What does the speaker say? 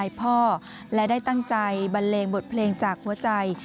พ่อและได้ตั้งใจบันเลงบทเพลงจากหัวใจ